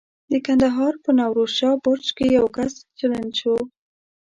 د کندهار په نوروز شاه برج کې یو کس چلنج شو.